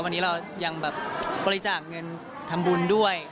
วันนี้เรายังแบบบริจาคเงินทำบุญด้วย